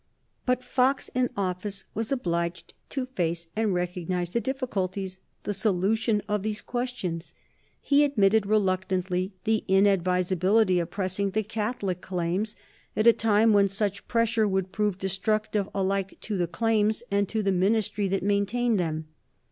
But Fox in office was obliged to face and recognize the difficulties, the solution of these questions. He admitted, reluctantly, the inadvisability of pressing the Catholic claims at a time when such pressure would prove destructive alike to the claims and to the Ministry that maintained them.